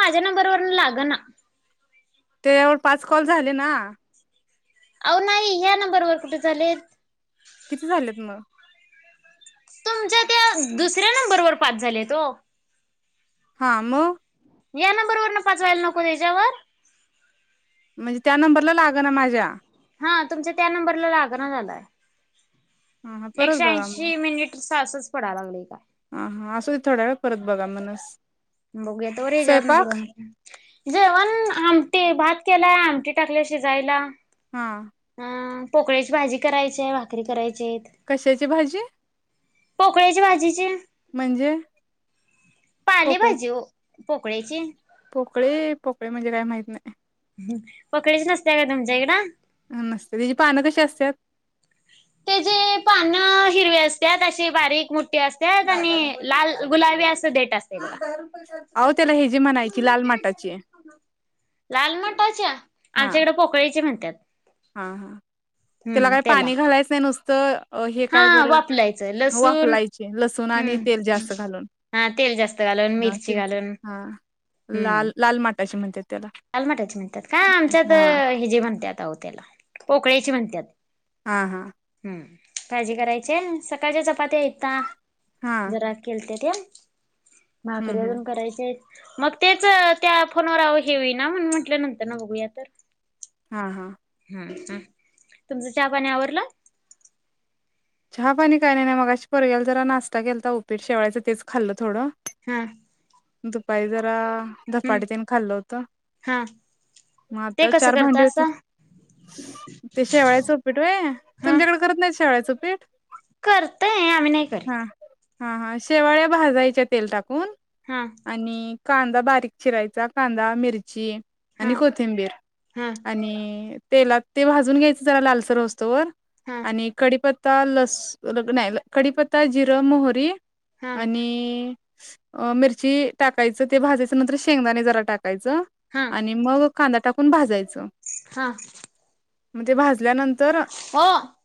माज्या नंबर वरनं लागं ना. तेव पाच कॉल झाले ना. आव नाई ह्या नंबरवर कुठे चालेत. किती झालेत म? तुमच्या त्या दुसऱ्या नंबरवर पाच झालेत ओ. हां, म? या नंबर वर न पाचवायला नको त्याच्यावर? म्हणजे त्या नंबरला लाग ना माझ्या हा तुमच्या त्या नंबरला लागण झालाय ह परत एकशे बघा मग ऐंशी मिनिट तासच पडा लागलय का हा हा असं ते थोड्या वेळ परत बघा मणस बघूया तवर यांच्यावरून करून जेवण, आमटी भात केलाय आमटी टाकले शिजायला. हां अम् पोकळ्याची भाजी करायचीआय, भाकरी करायच्याईत. कशाची भाजी? पोकळ्याची भाजीचे. म्हणजे? पाले पोकळे भाजी ओ पोकळ्या ची. पोकळे पोकळे म्हणजे काय माहित नाही. पोकळ्याची नसत्या काय तुमच्या इकडं? नसते त्याची पानं कशी असत्यात? ते जे पान हिरवी असत्यात अशी बारीक मोठी असत्यात आणि लाल गुलाबी असं देट [unintelligible] आओ त्याला हे जी म्हणायची लाल माटाची हा. कळीची म्हणत्यात. हा हा त्याला काय पाणी घालायचं नाही नुसतं अ हे काय हा बरं वापलायचं लसूण वाफलायचे लसूण आणि हम्म तेल जास्त घालून. हा तेल जास्त घालून हा मिरची तेच घालून. हा लाल लाल माटाची म्हणात्यात त्याला. लालमाटाची म्हणत्यात काय आमच्यात हा हे जे म्हणत्यात आओ त्याला पोकळ्याची म्हणत्यात. हा हां. हम्म काळजी करायची सकाळच्या चपात्या हायता हां. जरा केलत्यात्या हं, भाकरी हं. अजून करायच्यात मग तेच त्या फोनवर अव हे व्हय ना म्हणून म्हंटल नंतरन बघूया तर. हा हां. हा हा तुमचं चहा पाणी आवरलं? चहा पाणी काय नाही नाही मगाशी पोरग्याला जरा नाश्ता केलता उपीट शेवाळायचं तेच खाल्लं थोडं. हां. दुपारी जरा हम्म धपाट तेन खाल्लं होत, हा मग ते आता कसं चार भांडी करतासा? होती. ते शेवाळ च उपीठ वय, हा तुमच्याकडे करत नाहीत शेवाळ्या च उपीठ? करतय आम्ही नाही. करीत. हां, हां हां शेवाळ्या भाजायचे तेल टाकून हा आणि कांदा बारीक चिरायचा कांदा, मिरची, हा आणि कोथिंबीर हा आणि तेला ते भाजून घ्यायचं जरा लालसर होऊस तवर. हा आणि कडीपत्ता लस नाही कडीपत्ता, जिरं, मोहरी, हा आणि मिरची टाकायचं ते भाजायचं नंतर शेंगदाणे जरा टाकायचं हा आणि मग कांदा टाकून भाजायचं. हां. म्हणजे भाजल्यानंतर हा.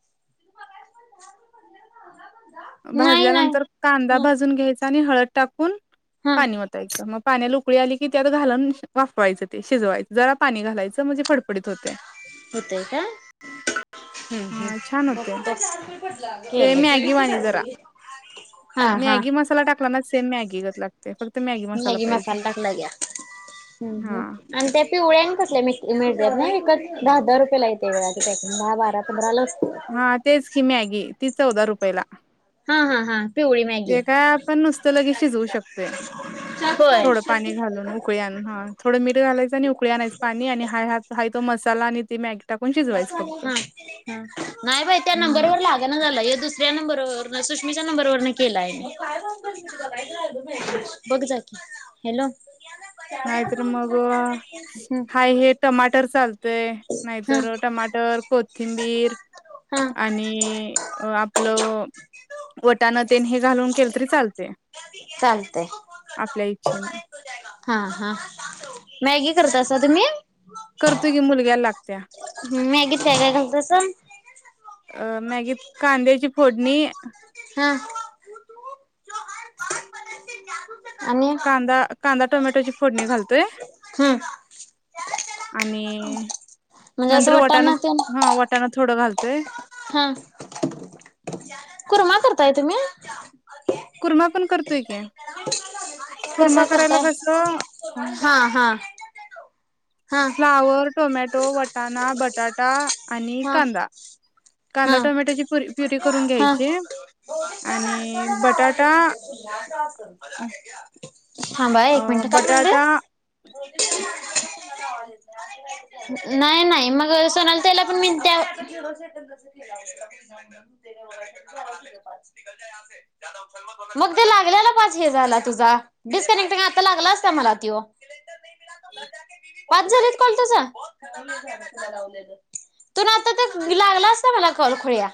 भाजल्यानंतर कांदा भाजून घ्यायचा आणि हळद टाकून हा पाणी वतायचं मग पाण्याला उकळी आली की त्यात घालून वाफवायचं ते शिजवायचं जरा पाणी घालायचं म्हणजे फडफडीत होते. होतय का? हम्म हा छान होते ते मॅगी वाणी [unintelligible] जरा मॅगी मसाला टाकला ना सेम मॅगी ग मॅगी मसाल टाकलय ग्या, हम्म हा हम्म. आणि त्या पिवळ्या आणि कसल्या मिळत्यात ना विकत, दहा दहा रुपययाला येते वे पॅकिंग दहा बारा पंधरा ला असते. हा तेच की मॅगी ती चौदा रुपयेला. हा हा हा पिवळी मॅगी, ते काय आपण नुसतं लगेच शिजवू शकतोय. होय. थोडं पाणी [unintelligible] घालून उकळी आण हा थोडं मीठ घालायचं आणि उकळी आणायच पाणी आणि हा ह हा तो मसाला आणि ती मॅगी टाकून शिजवायचं फक्त. हा नाही बाई त्या नंबर मग वर लाग झाला दुसऱ्या नंबरवर सुषमिच्या नंबरवर न केला आहे. बघ जाकी, हॅलो. नाहीतर मग हम्म हाय हे टमाटर चालतय हा नाहीतर टमाटर, कोथिंबीर हा आणि आपलं वटानतेने हे घालून केलं तरी चालते चालतय आपल्या इच्छेनं‌. हा हा, मॅगी करता सा तुम्ही? करतो की मुलग्याला लागत्या. मॅगीत काय काय घालतासा अ मॅगीत कांद्याची फोडणी. हा आणि. कांदा कांदा, टोमॅटोची फोडणी घालतोय. हम्म आणि म्हणजे असं नंतर वटाण, वटाणा तेन हा वटाण थोडं घालतोय. हा, कुर मा करताय तुमही? कुरमा पण करतोय की, कसा कुरमा करायला करताय? कस हा हा. हा फ्लावर, टोमॅटो, वटाणा, बटाटा आणि हा कांदा. कांदा, हा टोमॅटोची परी प्युरी करून हा घ्यायची. आणि बटाटा थांबा एक अ, मिनट काय बटाटा म्हणलंस? [inaudible] नाही नाही मग सोनाल त्याला पण मी त्या [unintelligible] मग ते लागल्याला पाच हे झाला तुझा दि- आता लागला अस मला तो. पाच झालेत कॉल तुझं. त आता त लागलाच ना मला कल खोळ्या.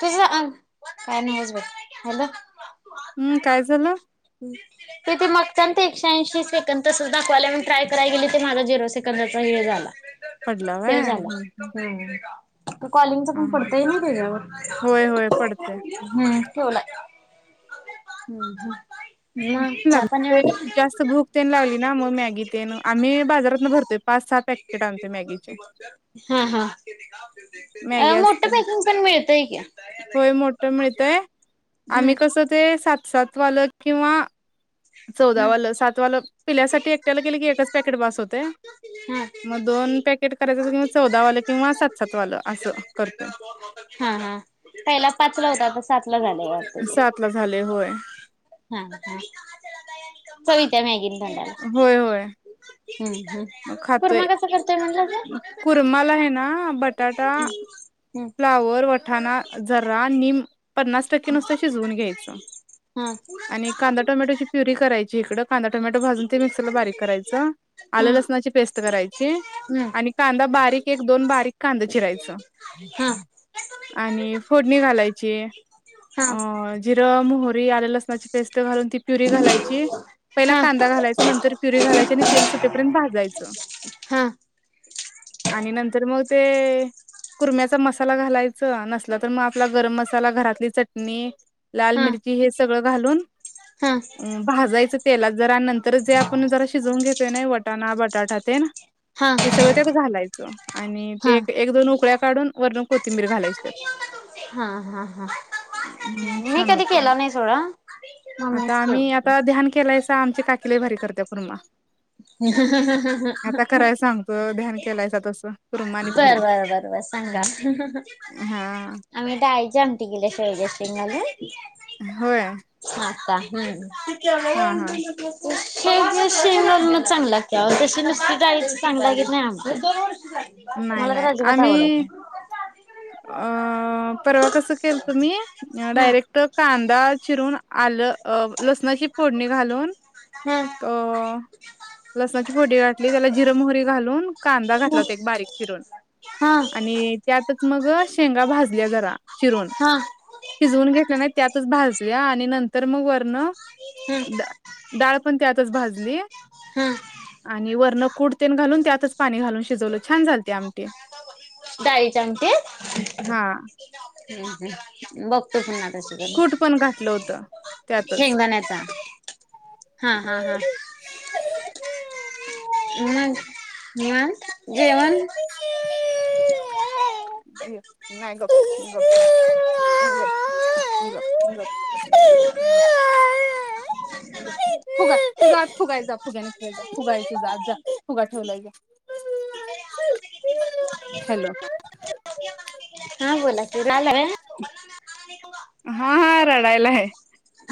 तुस अंग काय नाहीस बर हला. हम्म काय झालं. हम्. तिथे मगता ते एकशेऐंशी सेकंद तस दाखवायला ट्राय कराय गेली ते माझा झिरो सेकंदाचा हे झाला पडला व्हय? शेव झाला हं, हं. हम्म त कॉलिंगच हां, पण हां. पडतय ना त्याच्यावर होय, होय पडतंय. हम् ठवला. [unintelligible] ग जास्त भूक तेन लागली ना मग मॅगी तेन आम्ही बाजारातून भरतोय. पाच सहा पॅकेट आणते मॅगीचे. हा हा. मॅगी अ मोठं असते पॅकिंग पण मिळतंय की होय मोठ मिळतय. हम्म आम्ही कसं ते सात सात वाल किंवा हम्म. चौदावालं सातवालं पिल्यासाठी एकट्याला गेले की एकच पॅकेट बस होते. मग दोन पॅकेट करायचं अस किवा चौदा वालं किंवा सात सात वालं असं करतय. हा हा पहिला पाचला होता तर सातलं झालेवर. सात ला झाले होय. हम् हम. चवीित्या मॅगीने तोंडाला होय होय हम्म ह् मग कुर्मा खातोय कस करतोय म्हणज कुरमाला आहे ना बटाटा. हम्. फ्लावर वठाणा झरा निम. पन्नास टक्के नुसतं शिजवून घ्यायचं हा आणि कांदा टोमॅटोची प्युरी करायची इकडं कांदा टोमॅटो हा. भाजून ते मिक्सरला बारीक करायचं आलं लसणाची पेस्ट करायची आणि कांदा बारीक एक दोन बारीक कांदा चिरायचं हम आणि फोडणी घालायची अ जिरं मोहरी आल्या लसणाची पेस्ट घालून ती प्युरी घालायची पहिला हा कांदा घालायच नर पुरी घालायची आणि तेल सोटेपर्यंत भाजायचं हा आणि नंतर मग ते कुर्म्याचा मसाला घालायचा नसला तर मग आपला गरम मसाला घरातली चटणी लाल हा मिरची हे सगळं घालून हा भाजायचं तेलात जरा नंतर जे आपण जरा शिजवून घेतोय ना वटाणा बटाटा ते ना हा ते सगळं त्या घालायचं आणि ते हा. एक दोन उकड्या काढून वरण कोथिंबीर घालायचतात. हा हा हा मी कधी केला नाही सोडा. आता मम्मीच आम्ही केलती. आता ध्यान केलायस आमची काकीला भारी करते पूर्मा बर सांगतो ध्यान केलायसा तसं कुर्मा आणि पुरी बर बर बस. सांगा हा आम्ही दायच आम टिकेले सोजसिंगले होय आछ हम्म हा हा हे श [unintelligible] चांगली लागत्या, नुसती डाळीची आमटी चांगली लागत नाही आमटी. मला तर नाही-नाही अजिबात आम्ही. आवडत नाही. अ परवा कसं केलत मी हा. डायरेक्ट. फक्त कांदा चिरून, आलं, लसणाची फोडणी घालून हम्. अ लसणाची फोडणी घातली, त्याला जिर मोहरी घालून. कांदा घातला होता एक बारीक चीरून हा. आणि त्यातच मग शेंगा भाजल्या जरा चिरून. हां. शिजवून घेतल्या नाही, त्यातच भाजल्या, आणि नंतर मग वर्ण हम्म. डाळ पण त्यातच भाजली. हम्. आणि वरण कुठ तेन घालून, त्यातच पाणी घालून शिजवलं छान झालती आमटी. डाळीच्या आमटीत. हा बघ. त ना कूट त्याच्याक पण घातलं होतं त्यातच शेंगदाण्याचा. हा, हा, हा. [unintelligible] म मग जेवण? अ [unintelligible] नाही गप-गप. अर ब इ लो [unintelligible] जा फुगा हाय तुझा आत, फुगा हाय जा फुग्यान खेळ जा, फुगा हाय तुझा आत जा फुगा ठेवलाय जा. [unintelligible] हॅलो! हा, बो ला की रडालाय होय? हा हा, रडायलाय.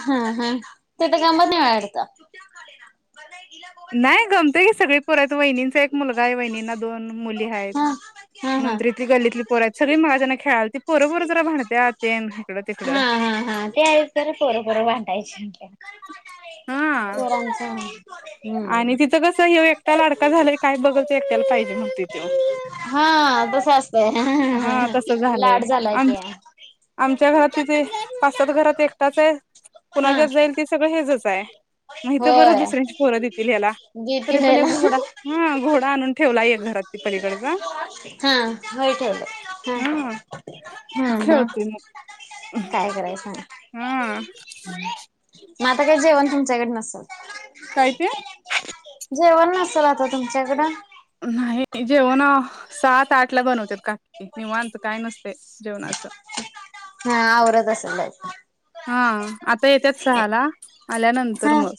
हा हा, तिथं गमत नाही वाडतं. नाही गमतय की, सगळी पोर वहिनींचा एक मुलगा हाय वहिणींना दोन मुली आहेत हा हा हा. नंतर ती गल्लीतली पोर हायत, सगळी मगाजरनं खेळालतीतं पोर पोर मला जरा भांडत्यात. तेन हिकडं तिकडं हा हा हा, ते आहेचं तर पोर पोर भांडायचीत. हा पोरांचं आणि तिथं कसं ह्यो एकटा लाडका झालाय, काय बघल ते एकट्याला पाहिजे म्हणतोय त्यो. हा, तसं असतंय हा तसं [unintelligible] झालंय लाड झाला आम की. आमच्या घरात तिथे पाच सात घरात एकटाच आहे, हा कुणाच्यात जाईल ते सगळं हेजच आहे. म इथं बरं होय दुसऱ्यांची पोर देतील याला. गीती तरी पण घ्यायला. एक घोडा हा घोडा आणून ठेवलाय, एक घरात ते पलीकडचा. हा होय ठेवलाय, हा हा हा. खेळतोय मग काय करायचं हा मग, आता काही जेवण तुमच्या‌ कडं नसल? काय ते जेवण नसलं आता तुमच्या कडं? नाही जेवण सात आठ ला बनवते, का निवांत काय नसतयं जेवणाचं. हा आवरतं असलं लवकर. हा आता येत्यात सहाला आल्यानंतर हा मग.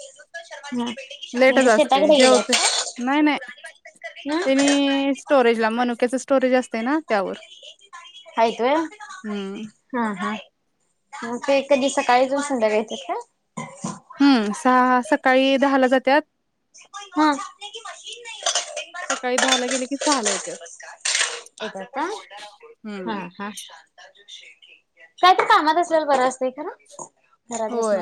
लेटच म्हणजे असतयं, शेताकडे गेल्यात जेवतोय का? नाही नाही. हं त्यांनी स्टोरेज ला मनुक्याच स्टोरेज असतंय ना त्यावर. [unintelligible] हायत व्हयं. हम्म हा हा त कधी सकाळी जाऊन संध्याकायच का हम्म सहा सकाळी दहा ला जातत मन नाही सकाळी दहा ला गेले की सहा ला येत्या हम्म ह काय ते कामात असल्याल बरं असतंय खर होय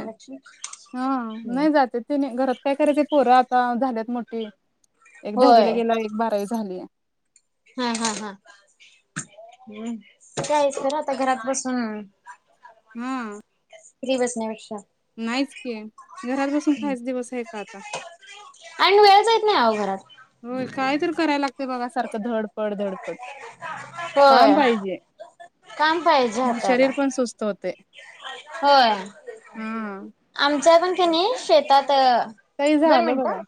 हम हम्म. नाही जाते तेने घरात काय करायच पोरं आता झाल्यात मोठी एक दहावीला होय गेला एक बारावी झाली हा हा हा् का आहेच तर आता घरात बसून हम्म फ्री बसण्यापेक्षा नाहीच की घरात बसून खायच दिवस आहे का आता आणि वेळच येत नाही हो घरात हो काय तर करायला लागते बघ सारखं धडपड धडपड काम होय पाहिजे काम पाहिजे म हाताला शरीर पण सुस्त होते होय हम आमच्या पण का नाही शेतात काही दोन झालं मिनिटं बघ